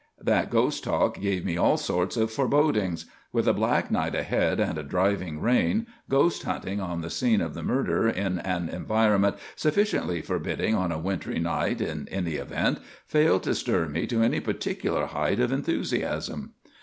That ghost talk gave me all sorts of forebodings. With a black night ahead and a driving rain, ghost hunting on the scene of the murder, in an environment sufficiently forbidding on a wintry night in any event, failed to stir me to any particular height of enthusiasm.